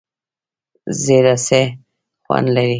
زیره څه خوند لري؟